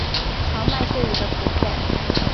长麦穗鱼的图片